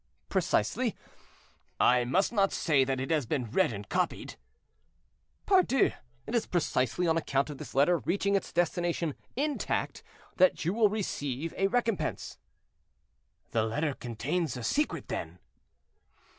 "—"Precisely." "I must not say that it has been read and copied?" "Pardieu! it is precisely on account of this letter reaching its destination intact that you will receive a recompense." "The letter contains a secret, then?"